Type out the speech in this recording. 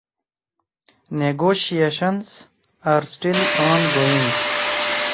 Negotiations are still ongoing.